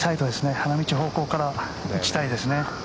花道方向から打ちたいですね。